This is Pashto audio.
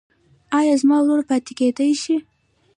ایا زما ورور پاتې کیدی شي؟